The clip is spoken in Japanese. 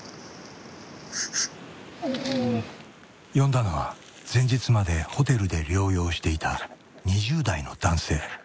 呼んだのは前日までホテルで療養していた２０代の男性。